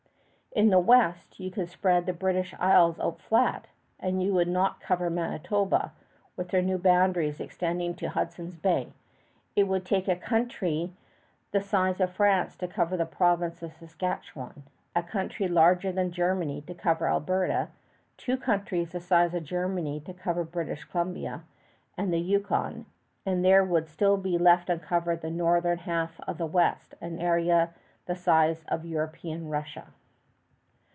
In the west you could spread the British Isles out flat, and you would not cover Manitoba with her new boundaries extending to Hudson Bay. It would take a country the size of France to cover the province of Saskatchewan, a country larger than Germany to cover Alberta, two countries the size of Germany to cover British Columbia and the Yukon, and there would still be left uncovered the northern half of the West an area the size of European Russia.